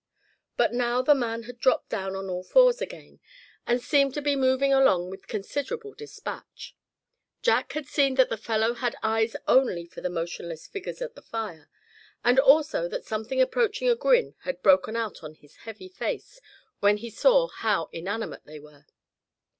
But now the man had dropped down on all fours again, and seemed to be moving along with considerable dispatch. Jack had seen that the fellow had eyes only for the motionless figures at the fire; and also that something approaching a grin had broken out on his heavy face when he saw how inanimate they were.